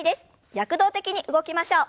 躍動的に動きましょう。